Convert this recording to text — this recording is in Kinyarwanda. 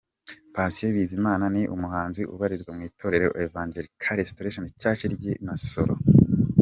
Patient Bizimana ni umuhanzi ubarizwa mu itorero Evangelical Restoration church ry'i Masoro.